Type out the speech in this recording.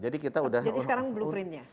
jadi sekarang blueprintnya